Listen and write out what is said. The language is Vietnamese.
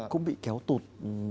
cũng bị kéo tụt